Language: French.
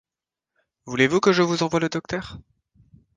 Voulez-vous que je vous envoie le docteur ?